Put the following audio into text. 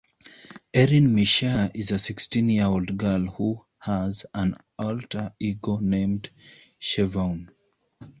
Erin Mishare is a sixteen-year-old girl who has an alter-ego named Shevaun.